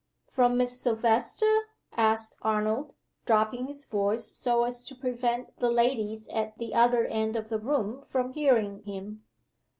"From Miss Silvester?" asked Arnold, dropping his voice so as to prevent the ladies at the other end of the room from hearing him.